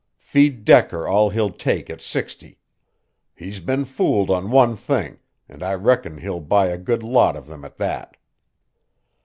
Feed Decker all he'll take at sixty. He's been fooled on the thing, and I reckon he'll buy a good lot of them at that."